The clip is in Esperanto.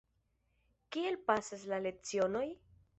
Kiel pasas la lecionoj?